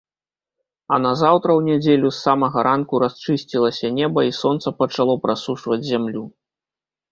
А назаўтра, у нядзелю, з самага ранку расчысцілася неба і сонца пачало прасушваць зямлю.